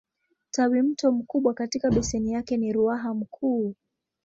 Tawimto mkubwa katika beseni yake ni Ruaha Mkuu.